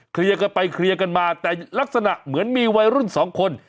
เคลียร์กันไปเคลียร์กันมาแต่ลักษณะเหมือนมีวัยรุ่นสองคน